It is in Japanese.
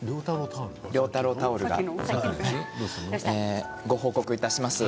涼太郎タオルがご報告いたします。